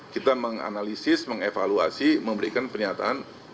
kita menganalisis mengevaluasi memberikan pernyataan